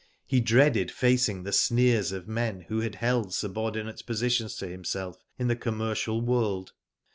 He dreaded facing the sneers of men who had held subordinate positions to himself in the commercial world.